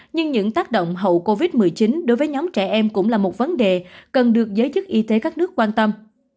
nhưng những tác động hậu covid một mươi chín đối với nhóm trẻ em cũng là một vấn đề cần được giới chức y tế các nước quan tâm